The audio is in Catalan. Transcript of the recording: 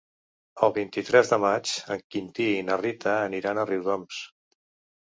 El vint-i-tres de maig en Quintí i na Rita aniran a Riudoms.